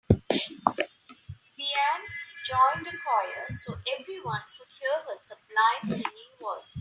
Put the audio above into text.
Leanne joined a choir so everyone could hear her sublime singing voice.